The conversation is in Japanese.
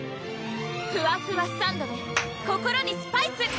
ふわふわサンドｄｅ心にスパイス！